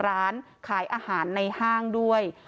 ร้านขายอาหารในห้างด้วย